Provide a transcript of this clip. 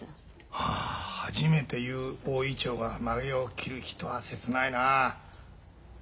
ああ初めて結う大銀杏がまげを切る日とは切ないなあ。